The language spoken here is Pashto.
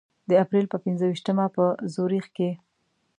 د اپریل په پنځه ویشتمه په زوریخ کې.